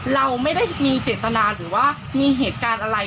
เราไม่ได้มีเจตนาหรือว่ามีเหตุการณ์อะไร